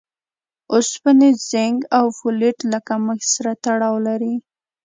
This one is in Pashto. اوسپنې، زېنک او فولېټ له کمښت سره تړاو لري.